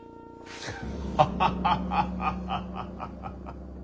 ハハハハハッ！